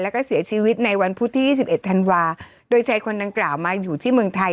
แล้วก็เสียชีวิตในวันพุธที่๒๑ธันวาโดยชายคนดังกล่าวมาอยู่ที่เมืองไทย